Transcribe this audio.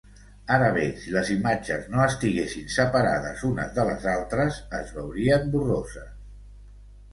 Ara bé, si les imatges no estiguessin separades unes de les altres, es veurien borroses.